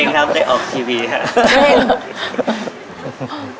เกรงทำใดออกทีวีครับ